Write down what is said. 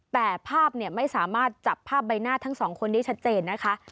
แต่ภาพไม่สามารถจับภาพใบหน้าทั้งสองคนได้ชัดเจนนะคะ